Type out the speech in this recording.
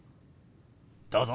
どうぞ。